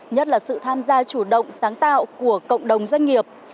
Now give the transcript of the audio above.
nhất là sự tham gia chủ động sáng tạo của cộng đồng doanh nghiệp